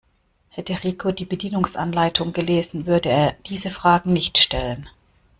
Hätte Rico die Bedienungsanleitung gelesen, würde er diese Fragen nicht stellen.